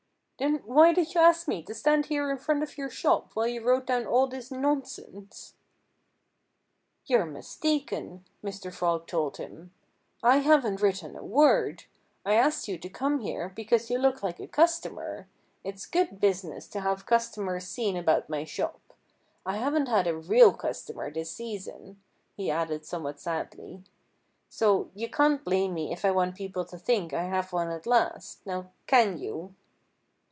"Then why did you ask me to stand here in front of your shop while you wrote down all this nonsense?" "You're mistaken," Mr. Frog told him. "I haven't written a word. I asked you to come here because you look like a customer. It's good business to have customers seen about my shop. I haven't had a real customer this season," he added somewhat sadly. "So you can't blame me if I want people to think I have one at last—now can you?"